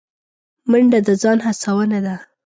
منډه د ځان هڅونه ده